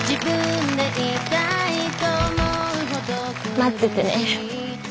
待っててね。